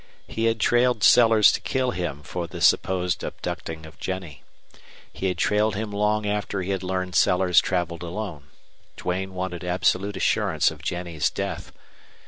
He had trailed Sellers to kill him for the supposed abducting of Jennie. He had trailed him long after he had learned Sellers traveled alone. Duane wanted absolute assurance of Jennie's death.